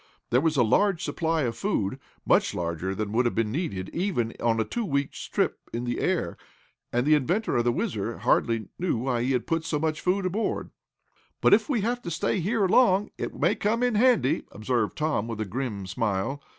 There was a large supply of food, much larger than would have been needed, even on a two weeks' trip in the air, and the inventor of the WHIZZER hardly knew why he had put so much aboard. "But if we have to stay here long, it may come in handy," observed Tom, with a grim smile.